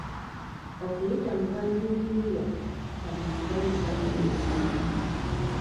Okuyita mu bwa yinginiya, abantu bangi balina emirimu.